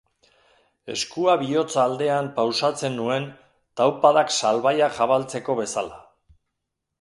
Eskua bihotz aldean pausatzen nuen taupadak salbaiak jabaltzeko bezala.